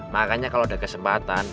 makanya kalo udah kesempatan